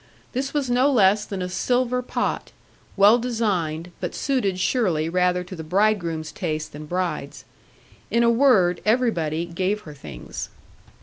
This was no less than a silver pot, well designed, but suited surely rather to the bridegroom's taste than bride's. In a word, everybody gave her things.